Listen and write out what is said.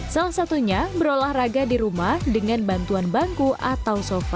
salah satunya berolahraga di rumah dengan bantuan bangku atau sofa